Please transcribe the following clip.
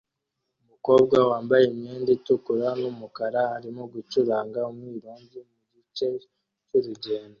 umukobwa wambaye imyenda itukura numukara arimo gucuranga umwironge mugice cyurugendo